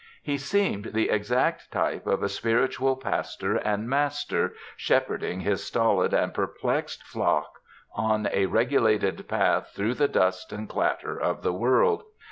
He seemed the exact type of a spiritual pastor and master, shepherding his stolid and perplexed flock on a regulated path through the dust and clatter of the world.